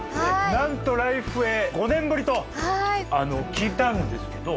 なんと「ＬＩＦＥ！」へ５年ぶりと聞いたんですけど。